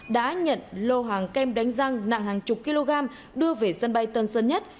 đã nhận lô hàng kem đánh răng nặng hàng chục kg đưa về sân bay tân sơn nhất